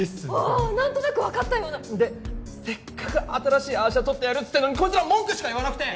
ああ何となく分かったようなでせっかく新しいアー写撮ってやるっつってんのにこいつら文句しか言わなくて！